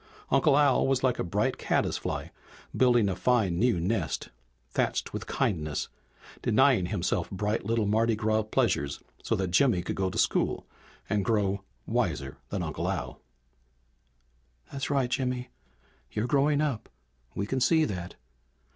Uncle Al was like a bright caddis fly building a fine new nest, thatched with kindness, denying himself bright little Mardi Gras pleasures so that Jimmy could go to school and grow wiser than Uncle Al. "That's right, Jimmy. You're growing up we can see that!